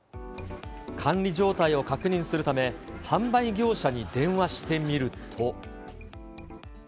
管理状態を確認するため、販売業者に電話してみると。